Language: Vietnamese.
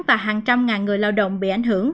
và hàng trăm ngàn người lao động bị ảnh hưởng